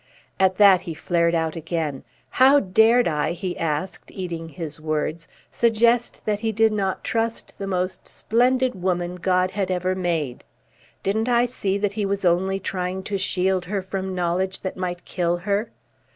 At that he flared out again. How dared I, he asked, eating his words, suggest that he did not trust the most splendid woman God had ever made? Didn't I see that he was only trying to shield her from knowledge that might kill her?